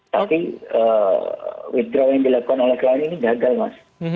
tapi withdraw yang dilakukan oleh klien ini gagal mas